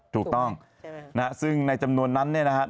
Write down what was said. ถูกต้องนะฮะซึ่งในจำนวนนั้นเนี่ยนะครับ